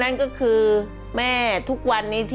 ร้องได้ให้ร้าง